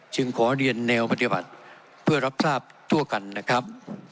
ขอเรียนแนวปฏิบัติเพื่อรับทราบทั่วกันนะครับ